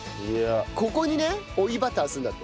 ここにね追いバターするんだって。